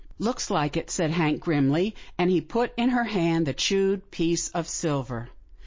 " Looks like it," said Hank, grimly, and he put in her hand the chewed piece of silver.